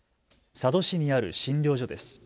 佐渡市にある診療所です。